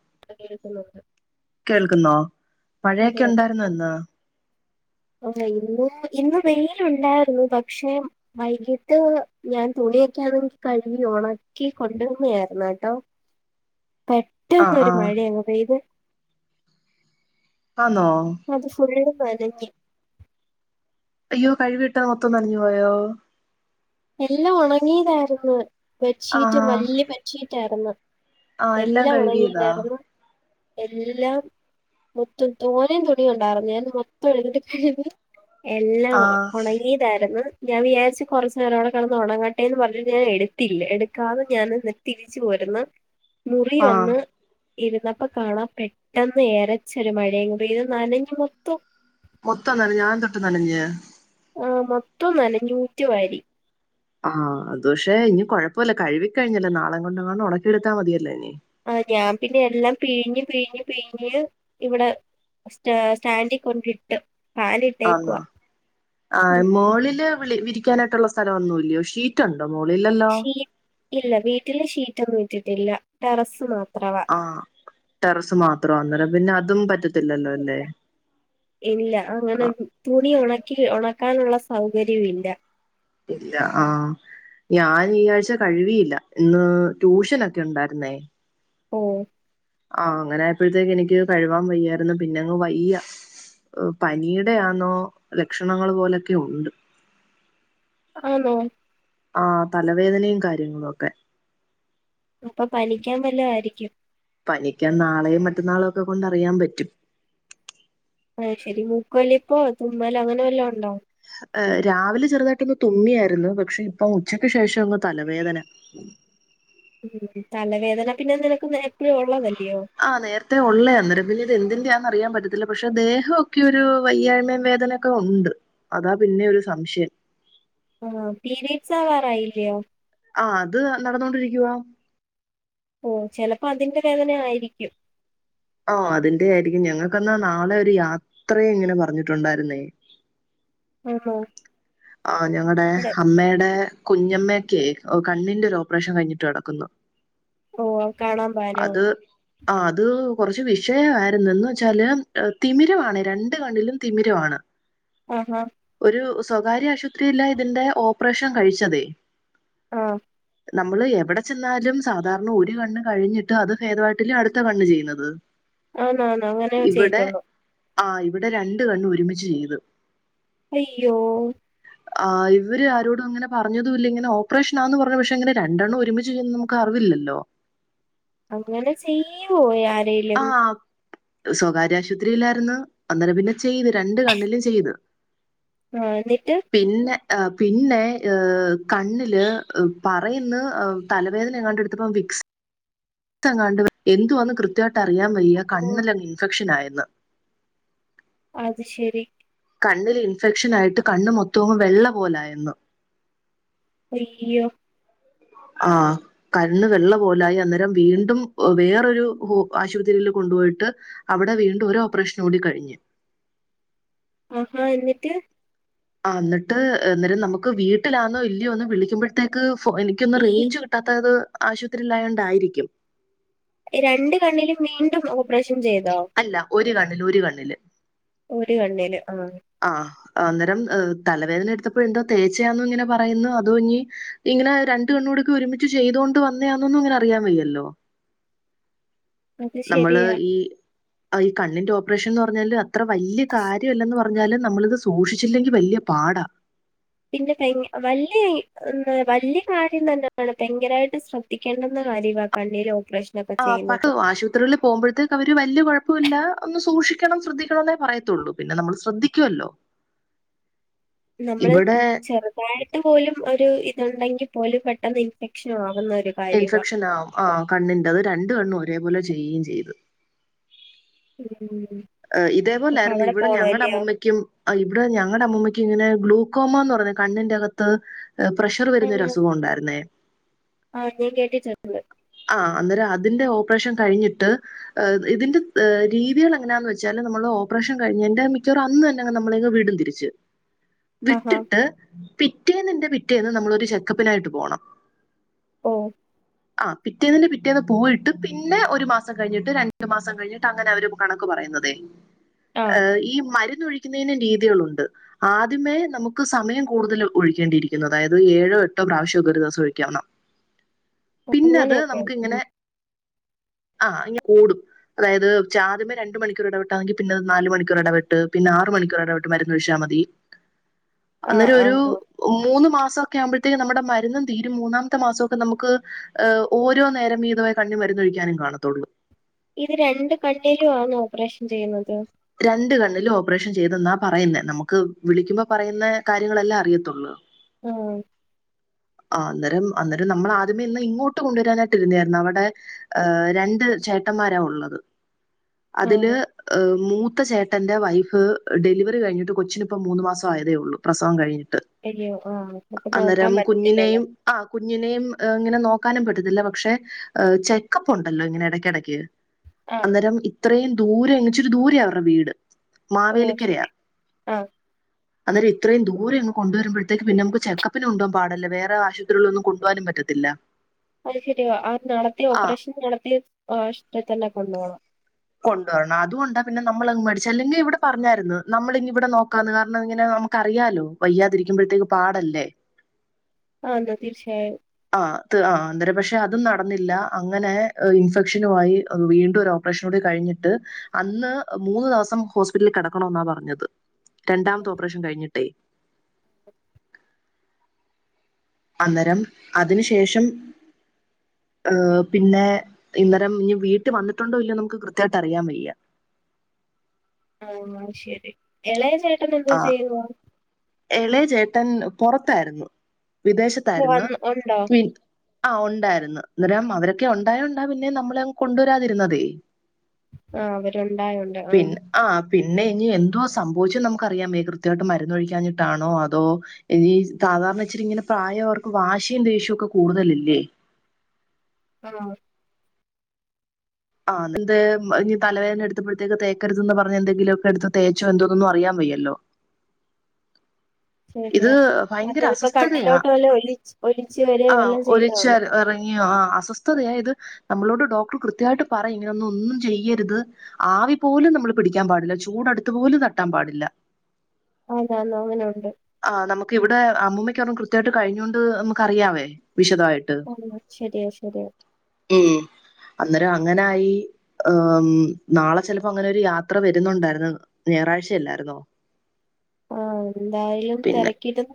[unintelligible] കേൾക്കുന്നോ അതെ മഴയൊക്കെ അതെ ഉണ്ടായിരുന്നൊ ഇന്ന് ആ ഇന്ന് ഇന്ന് വെയിലുണ്ടായിരുന്നു പക്ഷെ വൈകിട്ട് ഞാൻ തുണിയൊക്കന്ന് എനിക്ക് കഴുകി ഉണക്കി കൊണ്ടുവന്നയായിരുന്നു കേട്ടോ ആഹ് പെട്ടന്ന്രു ആഹ് മഴയങ്ങ പെയ്ത് ആണോ വതക്ക അയ്യോ കഴിവി വിട്ട മൊത്തം നഞ്ഞ പോയോ എല്ലാം ഉണങ്ങിയതായിരുന്നു ബെഡ്ഷീറ്റ് ആഹാ വലിയ ബെഡ്ഷീറ്റ ആായിരുന്നു ആഹ് എല്ലാം കഴുകിയതാ ഉണങ്ങിതായിരുന്നു എല്ലാം മൊത്തം തോനയും തുണിയ ഉണ്ടായിരുന്നു ഞാൻ മൊത്തം എഴതിട്ട് എല്ലാം ആഹ് ഉണങ്ങീതായിരുന്നു ഞാൻ വിചാരിച്ച കുറച്ച് ഞരോടെ കടന്ന് ഉണണംങ്ങാട്ടെന്ന് പറഞ്ഞു ഞാൻ എടുത്തില്ല എടുക്കാതെ ഞാൻ എന്നിട്ടതിരിച്ചു പോുന്ന മുറി ആഹ് വന്ന് ഇരുന്നപ്പ കാണാ പെട്ടന്ന് ഏരച്ചൊരു മഴയങ്ക പത് നനഞ്ഞ മൊത്തോ മൊത്തം നനഞ്ഞ് ഞാൻ തൊട്ട് നനഞ്ഞ് ആഹ് മൊത്തം നനഞ്ഞൂറ്റി വാരി ആഹ് അത് പക്ഷെ ഇനി കുഴപ്പല്ല കഴുകിക്കഴിഞ്ഞല്ലോ നാളെ കൊണ്ടങ്ങാണ്ട് ഉണക്കിയെടുത്താ മതിയല്ലോ ഇനി ആ ഞാൻ പിന്നെ എല്ലാം പിഴിഞ്ഞ് പിഴിഞ്ഞ് പിഴിഞ്ഞ് ഇവിടെ സ്റ്റ സ്റ്റാൻഡിൽ കൊണ്ടിട്ട് ആന്നോ ഫാനിട്ടേക്കുവാ ആ ഉം മോളില് വിളി വിരി ക്കാനായിട്ടുള്ള സ്ഥലൊന്നും ഇല്ലി‌യോ ഷീറ്റാ ശീ ഇല്ല വീട്ടില് ശീ- റ്റൊന്നുട്ടിട്ടില്ല ടെറസ് മാത്- ആ ടെറസ് മാത്രം അന്നരം- പിന്നെ അതും പറ്റത് ഇല്ല ഇല്ല ആ അങ്ങനെ തുണി ഉണ ക്കി ഉണക്കാനുള്ള സൗകര്യവും ഇല്ല. ഇല്ല ആഹ് ഞാൻ ഈ ആഴ്ച കഴുവിയില്ല, ഇന്ന് ട്യൂഷനൊക്കെ ഉണ്ടായിരുന്നേ. ഓ ആഹ് അങ്ങനെ ആയപ്പോഴത്തേക്ക് എനിക്ക് കഴുവാൻ വയ്യായിരുന്നു, പിന്നെ അങ്ങ് വയ്യാ പനിയുടെയാന്നോ ലക്ഷണങ്ങള് പോലൊക്കെ ഉണ്ട്. ആണോ ആഹ് തലവേദനയും കാര്യങ്ങളും ഒക്കെ. അപ്പം പനിക്കാൻ വല്ലതും ആയിരിക്കും. പനിക്കാൻ നാളെയും മറ്റന്നാളും ഒക്കെ കൊണ്ട് അറിയാൻ പറ്റും. അയ് ശരി മൂക്കൊലിപ്പോ തുമ്മലോ അങ്ങനെ വല്ലും ഉണ്ടോ? ഏഹ് രാവിലെ ചെറുതായിട്ടൊന്ന് തുമ്മിയായിരുന്നു, പക്ഷെ ഇപ്പം ഉച്ചക്ക് ശേഷം ഒന്ന് തലവേദന. ഉം തലവേദന പിന്നെ നിനക്ക് എപ്പോഴും ഉള്ളതല്ലേ. ആഹ് നേരത്തെ ഉള്ളയാണ് അന്നേരം പിന്നെ ഇത് എന്തിന്റെ ആണെന്ന് അറിയാൻ പറ്റ ത്തില്ല പക്ഷെ ദേഹം ഒക്കെ ഒരു വയ്യായ്മ വേദനയൊക്കെ ഉണ്ട്, അതാ പിന്നെ ഒരു സംശയം. ആഹ് പീരിയഡ്‌സ് ആവാറായില്ലയോ. ആഹ് അത് നടന്നോണ്ടിരിക്കുവാ. ഓ ചിലപ്പോ അതിന്റെ വേദന ആയിരിക്കും. ആഹ് അതിന്റെ ആയിരിക്കും, ഞങ്ങൾക്കെന്നാ നാളെ ഒരു യാത്രയെ ഇങ്ങനെ പറഞ്ഞിട്ടുണ്ടായിരുന്നേ. ഓ ഓ ആഹ് ഞങ്ങടെ അമ്മടെ. കുഞ്ഞമ്മക്കെ കൊ കണ്ണിന്റെ ഓപ്പറേഷൻ കഴിഞ്ഞിട്ട് കിടക്കുന്നു. ഓ കാണാൻ പാനോ ആ അത് കുറച്ച് വിഷയായിരുന്നു എന്ന് വെച്ചാല് ഏഹ് തിമിരവാണ് രണ്ട് കണ്ണിലും തിമിരവാണ് ആഹാ ഒരു സ് സ്വകാര്യ ആശുപത്രിയിലാ ഇതിന്റെ ഓപ്പറേഷൻ കഴിച്ചതേ ആഹ്‌ നമ്മള് എവിടെ ചെന്നാലും സാധാരണ ഒരു കണ്ണ് കഴിഞ്ഞിട്ട് അത് ഭേദവായിട്ടല്ലേ അടുത്ത കണ്ണ് ചെയ്യുന്നത് ആന്ന് ആന്ന് അങ്ങനെ ചെയ്യത്തുള്ളൂ ആ ഇവിടെ രണ്ട് കണ്ണു ഒരുമിച്ച് ചെയ്തു അയ്യോ ആ ഇവര് ആരോടും അങ്ങനെ പറഞ്ഞതൂല്ല ഇങ്ങനെ ഓപ്പറേഷനാന്ന് പറഞ്ഞു പക്ഷെ ഇങ്ങനെ രണ്ടെണ്ണം ഒരുമിച്ച് ചെയ്യൂന്ന് നമുക്കറിവില്ലല്ലോ അങ്ങനെ ചെയ്യൂ യാ രേലും സ്വകാര്യാശുപത്രിയിലാരുന്നു അന്നേരം പിന്നെ ചെയ്തു രണ്ടു കണ്ണിലും ചെയ്തു ആ ന്നിട്ട് ആ പിന്നെ കണ്ണില് പറയുന്ന് തലവേദന എങ്ങാണ്ട് എടുത്തപ്പം വിക്സ് തെങ്ങാണ്ട് എന്തു വാന്ന് കൃത്യ ട്ട് അറിയൻ വയ്യ ഓ കണ്ണിലങ്ങ് ഇൻഫെക്ഷൻ ആയി ന്ന് അത് ശരി കണ്ണില് ഇൻഫെക്ഷൻ ആയിട്ട് കണ്ണ് മൊത്തവും വെള്ള പോലായന്ന് അയ്യോ ആ കണ്ണ് വെള്ള പോലായി അന്നേരം വീണ്ടും വേറൊരു ആശുപത്രീൽ കൊണ്ടുപോയിട്ട് അവിടെ വീണ്ടും ഒരോപ്രേഷൻ കൂടി കഴിഞ്ഞ് ആഹാ എന്നിട്ട് ആ ന്നട്ട് അന്നേരം നമുക്ക് വീട്ടിലാന്നോ ഇല്ലയോന്ന് വിളിക്കുമ്പോഴത്തേക്ക് ഫോ എനിക്കൊന്ന് ഈ റേഞ്ച് കിട്ടാത്തത് ആശുപത്രിയിലായോണ്ടായിരിക്കും രണ്ട് കണ്ണിലും വീണ്ടും ഓപ്പറേഷ അല്ല ഒരു കണ്ണ് ലൊര് കണ്ണില് ഒരു കണ്ണില് ആ ആ അന്നേരം തലവേദന എടുത്തപ്പോഴന്തോ തേച്ചയാന്നോ ഇങ്ങനെ പറയുന്നു അതോ ഞ്ഞി ഇങ്ങനെ രണ്ട് കണ്ണൂടിക്കെ ഒരുമിച്ച് ചെയ്തൊണ്ട് വന്നയാന്നൊന്നും ഇങ്ങനെ അറിയാൻ വയ്യല്ലോ അത് നമ്മള് ശരിയാ ഈ ഈ കണ്ണിന്റെ ഓ പറേഷൻന്ന് പറഞ്ഞാൽ അത്ര വല്യ കാര്യമല്ലന്ന് പ റഞ്ഞാല് നമ്മളിത് സൂക്ഷിച്ചില്ലെങ്കിൽ വല്യ പാടാ പിന്നെ കൈയിഞ്ഞ് വല്യ വല്യ കാര്യം തന്നെയാണ് ഭയങ്കരായിട്ട് ശ്രദ്ധിക്കേണ്ടെന്ന കാര്യമാണ് കണ്ണിലെ ഓ ആ പത്തു ആശുപത്രിൽ പോകുമ്പോഴത്തേക്ക് അവര് വല്യ കൊഴ പ്പല്ല ഒന്ന് സൂക്ഷിക്കണം ശ്രദ്ധിക്കണം എന്നേ പറയത്തുള്ളൂ പിന്നെ നമ്മൾ ശ്രദ്ധിക്കുവല്ലോ നമ്മള് ചെറുതായിട്ട് പോലും ഒരു ഇതുണ്ടെങ്കിൽ പോലും പെട്ടെന്ന് ഇൻഫെക്ഷൻ ആ ഇൻഫെക്ഷൻ ആവും ആ കണ്ണിൻ്റത് രണ്ട് കണ്ണും ഒരേപോലെ ചെ യ്യയും ചെയ്തു മ് ആ ഇതേപോലെ ആയിരുന്നു ഇവിടെ ഞങ്ങടെ അല്ലയോ? അമ്മുമ്മയ്ക്കും ആ ഇവിടെ ഞങ്ങടെ അമ്മുമ്മയ്ക്കും ഇങ്ങനെ ഗ്ലൂക്കോമാന്ന് പറഞ്ഞ് കണ്ണിന്റെകത്ത് പ്രഷർ വരുന്ന ഒരു അസുഖം ഉണ്ടായിരുന്നേ ആ ഞാൻ കേട്ടിട്ട് [unintelligible] ആ അന്നേരം അതിൻ്റെ ഓപ്പറേഷൻ കഴിഞ്ഞിട്ട് ഇതിന്റെ രീതികൾ എങ്ങനാന്ന് വെച്ചാല് നമ്മള് ഓപ്പറേഷൻ കഴിഞ്ഞന്റെ മിക്കവറും അന്ന് തന്നെ നമ്മളെ വിടും തിരിച്ച് ആഹാ വിട്ടിട്ട് പിറ്റേനിന്റെ പി റ്റേന്ന് നമ്മളൊരു ചെക്കപ്പിനായിട്ട് പോണം ഓ ആ പിറ്റേന്നിന്റെ പിറ്റേന്ന് പോയിട്ട് പിന്നെ ഒരു മാസം കഴിഞ്ഞിട്ട് രണ്ടു മാസം കഴിഞ്ഞിട്ട് അങ്ങനെ അവര് കണക്ക് പറയുന്നതേ. ആഹ് ഏഹ് ഈ മരു ഒഴിക്കുന്നതിന് രീതികളുണ്ട്. ആദ്യമേ നമുക്ക് സമയം കൂടുതൽ ഒഴിക്കേണ്ടിയിരിക്കുന്നത് അതായത് ഏഴോ എട്ടോ പ്രാവശ്യോക്കെ ഒരു ദിവസം ഒഴിക്കാവുന്നാ [unintelligible] നമുക്ക് ഇങ്ങനെ ആഹ് ഇങ്ങ് കൂടും. അതായത് ചാദ്യമേ രണ്ട് മണിക്കൂർ ഇടവിട്ടാണെങ്കിൽ പിന്നെ അത് നാല് മണിക്കൂർ ഇടവിട്ട് പിന്നെ ആറ് മണിക്കൂർ ഇടവിട്ട് മരുന്നഴിച്ചാ മതി. ആഹ് അന്നേരം ഒരു ആഹ് ആഹ് മൂന്ന് മാ സൊക്കെ ആവുമ്പോഴത്തേക്ക് നമ്മടെ മരുന്നും തീരും മൂന്നാമത്തെ മാസോക്കെ നമുക്ക് ഏഹ് ഓരോ നേരം വീതവേ കണ്ണീ മരുന്നൊഴിക്കാനും കാണത്തൊള്ളൂ. ഇത് രണ്ട് കണ്ണിലും ആന്നോ ഓപ്പറേഷൻ ചെയ്യുന്നത്. രണ്ട് കണ്ണിലും ഓപ്പറേഷൻ ചെയ്തെന്നാ പറയുന്നേ നമുക്ക് വിളിക്കുമ്പോ പറയുന്ന കാര്യങ്ങളെല്ലെ അറിയത്തൊള്ള് ആഹ് ആ അന്നേരം അന്നേരം നമ്മൾ ആദ്യമേ ഇന്ന് ഇങ്ങോട്ട് കൊണ്ടുവരാനായിട്ട് ഇരുന്നായിരുന്നു അവിടെ ഏഹ് രണ്ട് ചേട്ടന്മാരാ ഉള്ളത്. അതില് ആഹ് ഏഹ് മൂ ത്തെ ചേട്ടന്റെ വൈഫ് ഡെലിവറി കഴിഞ്ഞിട്ട് കൊച്ചിനിപ്പ മൂന്ന് മാസം ആയതേ ഉള്ളൂ പ്രസവം കഴിഞ്ഞി അയ്യോ ആഹ് നമ്മക്ക് നോക്കാൻ പറ്റ കുഞ്ഞിനേയും ആ കുഞ്ഞിനേയും ഇങ്ങനെ നോക്കാനും പറ്റത്തില്ല പക്ഷെ അഹ് ചെക്കപ്പ് ഒണ്ടല്ലോ ഇങ്ങനെ എടക്കെടക്ക്. ആഹ് അന്നേരം ഇത്രയും ദൂരം അങ്ങിച്ചിരി ദൂരയാ അവരുടെ വീട്. ഓ മാവേലിക്കരയാ ശരി ആഹ് അന്നേരം ഇത്രയും ദൂരെയങ്ങ് കൊണ്ടുവരുമ്പഴത്തേക്ക് പിന്നമ്മക്ക് ചെക്കപ്പിന് കൊണ്ടൊവു പാടല്ലെ വേറെ ആശുപത്രികളൊന്നും കൊണ്ടു പോകാനും പറ്റത്തില്ല അയ് ശെരിയ ആ നടത്തിയ ആ ഓപ്പറേഷൻ നടത്തിയ ആ ഇഷ്ട തന്നെ കൊണ്ട് പോണം കൊണ്ടുവരണം അതുകൊണ്ടാ പിന്നെ നമ്മള് മടിച്ച അല്ലെങ്കി ഇവിടെ പറഞ്ഞായിരുന്ന് നമ്മളിങ്ങ് ഇവിടെ നോക്കാന്ന് കാരണം ഇങ്ങനെ നമുക്കറിയാലോ വയ്യാതിരിക്കുമ്പഴത്തേക്ക് പാടല്ലേ ആതാ തീർച്ചയായും ആ ആ അന്നേരം പക്ഷെ അതും നടന്നില്ല അങ്ങനെ ഇൻഫെക്ഷനുവായി വീണ്ടും ഒരു ഓപ്പറേഷനും കൂടി കഴിഞ്ഞിട്ട് അന്ന് മൂന്ന് ദിവസം ഹോസ്പിറ്റലിൽ കിടക്കണോന്ന പറഞ്ഞത് രണ്ടാമത്തെ ഓപ്പറേഷൻ കഴിഞ്ഞി അന്നേരം അതിനു ശേഷം ഏഹ് പിന്നെ ഇന്നേരം ഇനി വീട്ട് വന്നിട്ടുണ്ടോ ഇല്ലയോ നമുക്ക് കൃത്യയിട്ട് അറിയാൻ വയ്യ ഇന്ന ശരി എളേ ചേട്ട ട്ടൻ എന്തോ ചെയ്യുവാ ട്ടൻ പുറത്തായിരുന്നു വിദേശത്തായിരുന്നു വന്ന് ഉണ്ടോ? ഉം ആ ഉണ്ടായിരുന്നു അന്നരം അവരൊക്കെ ഉണ്ടായ ഉണ്ട പിന്നെ നമ്മള് കൊണ്ടുവരാതിരുന്നത് ആ അവരുണ്ടായുണ്ട് ആ പിന്നെ ഇനി എന്തോ സംഭവിച്ചു നമ്മ ക്ക അറിയാമേ കൃത്യമായിട്ട് മരുന്നൊഴിക്കാഞ്ഞിട്ടാണോ അതോ ഇനി സാധാരണ വെച്ചിട്ട ഇങ്ങനെ പ്രായം അവർക്ക് വാശും ദേഷ്യവും ഒക്കെ കൂടുതലല്ലേ ആ ആ എന്ത് ഇനി തലവേദന എടുത്തപ്പോഴത്തേക്ക് തേക്കരുത്ന്ന് പറഞ്ഞ എന്തെങ്കിലുമൊക്കെ എടുത്ത് തേച്ചോ എന്തോന്നൊന്നും അറിയാൻ വയ്യല്ലോ ഇത് ശരിയാ. അത് ഭയങ്കര ചെലപ്പോ അസ്വസ്ഥതയാ കണ്ണിലോട്ട് വല്ല ഒലിച്ച് ഒലിച്ച് വരികയോ ആ വല്ലോം ഒലിച്ച ചെയ്തതാണ്. ഇറങ്ങിയോ ആ അസ്വസ്ഥതയ ഇത് നമ്മളോട് ഡോക്ടർ കൃത്യമായിട്ട് പറ ഇങ്ങനെൊന്നും ഒന്നും ചെയ്യരുത് ആവി പോലും നമ്മള് പിടിക്കാൻ പാടില്ല ചൂടടുത്ത്പലും തട്ടാൻ പാടില്ല അതാ അങ്ങനെ ഉണ്ട് ആ് നമുക്ക് ഇവിടെ അമ്മൂമ്മയ്ക്ക് ഒന്നും കൃത്യായിട്ട് കഴിഞ്ഞോണ്ട് നമുക്ക് അറിയാവേ വിശദായിട്ട് ആഹ് ശരിയാ ശരിയാ. ഉ അന്ന അങ്ങനൊയി നാളെ ചെലപ്പോ അങ്ങനെ ഒരു യാത്ര വരുന്നുണ്ടായിരുന്നു ഞായറാഴ്ച അല്ലായിരുന്നോ ആ [unintelligible] എന്തായാലും തിരക്കിട്ടും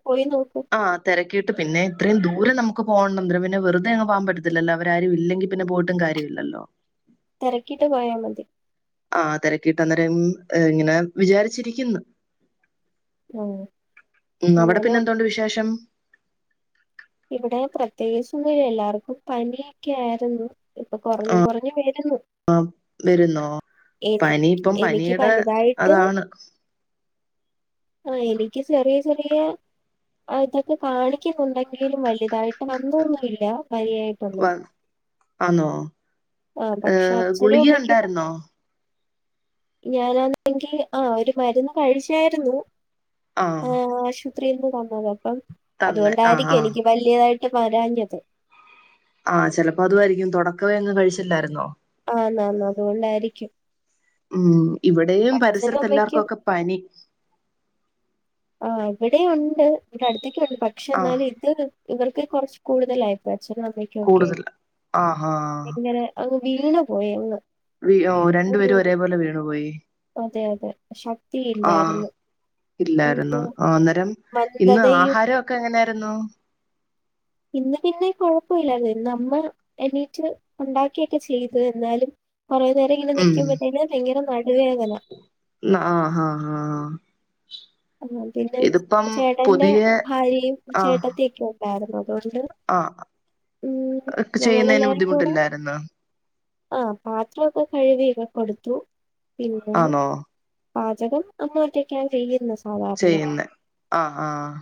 ആ തിരക്കിയിട്ട് പിന്നെ ഇത്രയും ദൂരം നമുക്ക് പോകണണ്ടും പിന്നെറുതെ പോവാൻ പറ്റത്തില്ലോ അവരും ഇല്ലെങ്കിൽ പിന്നെ പോയിട്ടും കാര്യമില്ലല്ലോ തിരക്കിട്ട് പോയാ മതി ആ തിരക്കിട്ട് അന്നേരം ഇങ്ങനെ വിചാരിച്ചിരിക്കുന്നു ആഹ് ഉ അവിടെ അങ്ങനെ പിന്നെന്തതുണ്ട് വിശേഷം എല്ലർക്കും പനിയൊക്കെ ആയിരുന്നു ഇപ്പം കുറഞ്ഞു കുറഞ്ഞുവരുന ആ വരുന്നോ എനി പനി ഇപ്പം എനിക്ക് പനിയുടെ വലുതായിട്ട് അതാണ് ആ എനിക്ക് ചെറിയ ചെറിയ ഇതൊക്കെ കാണിക്കുന്നുണ്ടാക്കി എങ്കലും വലുതായിട്ട് അന്നൊന്നുമല്ല വ ആന്നോ ആ ഏ ഗുളിക ഉണ്ടായിരുന്നോ ഞാനാന്നെങ്കിൽ ആ ഒരു മരുന്ന് കഴിച്ചായിരുന്നു ആ ഇത്രയും നിന്നത് [unintelligible] അ ആഹ് അതുകൊണ്ടായിരിക്കും ആഹ് എനിക്ക് വലിയതായിട്ട് വരാഞ്ഞത് ആ ചിലപ്പോ അതായിരിക്കും തുടക്കവേ അങ്ങ് കഴിച്ചില്ലായിരുന്നോ ആ ആന് ആന് അതുകൊണ്ടായിരിക്കും ഉം ഇവിടെയും അച്ഛനും പരിസരത്തെ അമ്മയ്ക്കും എല്ലാർക്കുക്കെ പനി അവിടെ ഉണ്ട് ഇവിടെ അടു അടുത്തക്കെയുണ്ട് പക്ഷെ ആഹ് എന്നാലും ഇതൊ ഇവർക്ക് കുറച്ച് കൂടുതലായിപ്പോയി. [unintelligible] അച്ഛനും അമ്മയ്ക്കും ഒക്കെ കൂടുതൽ ആഹാ ഇങ്ങനെ അങ്ങ് വീണ് പോയെന്ന് വി ഓ രണ്ടുപേരും ഒരേപോലെ വീണു പോയി അതെ അതെ ആ ശക്തിയില്ലായിരുന്നു ഉം, ഇല്ലാരു ന്നു അന്നേരം ഇന്ന് മന്ദതയും ആഹാരൊക്കെ എങ്ങനെയായിരുന്നു? ഇന്ന് പിന്നെ കൊഴപ്പമില്ലായിരുന്നു. ഇന്ന് അമ്മ എണീറ്റ് ഒണ്ടാക്കിയൊക്കെ ചെയ്തു എന്നാലും കൊറേ നേരം ഇങ്ങനെ ഉം നിക്കുമ്പത്തേന് ഭയങ്കര ന ആഹ് ആഹ് ആഹ് ആഹ് പിന്നെ ഇതിപ്പം ചേട്ടന്റെ പുതിയ ഭാര്യയും ആഹ് ചേട്ടത്തിയെക്കെ ഉണ്ടായിരുന്നു. അതുകൊണ്ട് ആഹ് ഉം ചെയ്യുന്നതിന് ഞങ്ങളെല്ലാരും കൂടെ ബുദ്ധിമുട്ടില്ലായിരുന്നോ ആഹ് പാത്രൊക്കെ കഴുകിയൊക്കെ കൊടുത്തു. പിന്നെ ആന്നോ പാചകം അമ്മ ഒറ്റക്കാണ് ചെയ്യുന്നത്. സാധാരണ ചെയ്യുന്നേ ആഹ് ആഹ്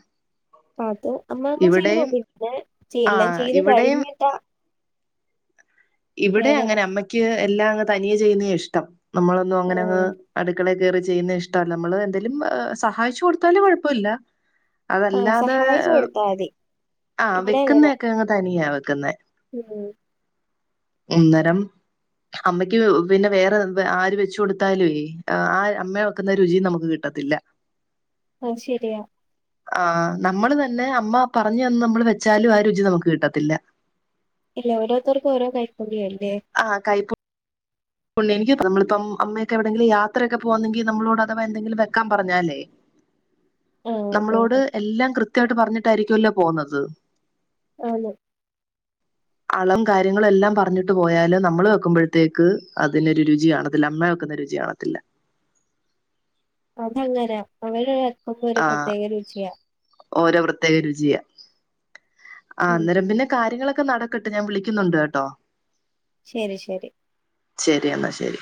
അത് അമ്മ ഒന്നു ചെയ്ത് ഇവിടെയും നോക്കി പിന്നെ എല്ലാം ആഹ് ചെയ്ത് ഇവിടെയും കഴിഞ്ഞിട്ടാ ഇവിടെ വേദന അങ്ങനെ അമ്മയ്ക്ക് എല്ലാം അങ് തനിയെ ചെയ്യുന്നയാ ഇഷ്ടം. നമ്മളൊന്നും അങ്ങനെ ആ അങ്ങ് അടുക്കളെ കേറി ചെയ്യുന്നത് ഇഷ്ടല്ല നമ്മള് എന്തേലും സഹായിച്ചു കൊടുത്താല് കുഴപ്പമില്ല. ആഹ് അതല്ലാതെ സഹായിച്ചു കൊടുത്താ മതി ആഹ് ഇവിടെ അങ്ങനാ വെക്കുന്നക്കെ ഞങ്ങ തനിയ ഉം അ ന്നേരം അമ്മയ്ക്ക് പിന്നെ വേറെ ആര് വെച്ചു കൊടുത്താലുവെ ആഹ് അമ്മ വെക്കുന്ന രുചി നമുക്ക് കിട്ടത്തില്ല. ആത് ശരിയാ ആഹ് നമ്മള് തന്നെ അമ്മ പറഞ്ഞു തന്ന് നമ്മള് വെച്ചാലും ആ രുചി നമുക്ക് കിട്ടത്തില്ല. ഇല്ല ഓരോത്തർക്ക് ഓരോ കൈ പുണ്യം ആ കൈ എനിക്ക് നമ്മളിപ്പം അമ്മയൊക്കെ എവിടെങ്കിലും യാത്രയൊക്കെ പോന്നെങ്കിൽ നമ്മളോട് അഥവാ എന്തെങ്കിലും വെക്കാൻ പറഞ്ഞാലേ ആഹ് അതെ നമ്മളോട് അതെ എല്ലാം കൃത് കൃത്യമായിട്ട് പറഞ്ഞിട്ടായിരിക്കല്ലേ പോന്നത്. ആന്ന് അളവുംകാര്യങ്ങളെല്ലാം പറഞ്ഞിട്ട് പോയല് നമ്മള് വെക്കുമ്പോഴത്തേക്ക് അതിനൊരു രുചി കാണത്തില്ല അമ്മ വെക്കുന്ന രുചി കാണത്തില്ല. [unintelligible] അ ഒരു ആഹ് പ്രത്യേക രുചിയാ. ഓരോ പ്രത്യേകരുചിയ ആ അന്നേരം ഉം പിന്നെ കാര്യങ്ങ ക്കെ നടക്കട്ട് ഞാൻ വിളിക്കുന്നുണ്ട് കേട്ടോ ശരി ശരി ശരി എന്നാ ശരി